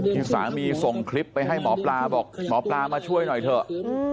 ที่สามีส่งคลิปไปให้หมอปลาบอกหมอปลามาช่วยหน่อยเถอะ